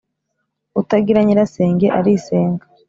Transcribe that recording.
Utagira Nyirasenge arisenga